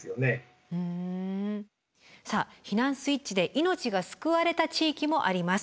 さあ避難スイッチで命が救われた地域もあります。